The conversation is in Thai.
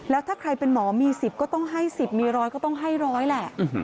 แล้วถ้าใครเป็นหมอมี๑๐ก็ต้องให้๑๐มีร้อยก็ต้องให้ร้อยแหละ